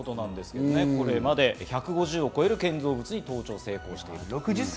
これまで１５０を超える建造物に登頂を成功しているということです。